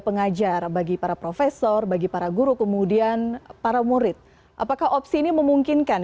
dengan adanya pengumuman skb yang dilaksanakan kemarin